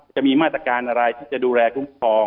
จะมีมาตรการอะไรที่จะดูแลคุ้มครอง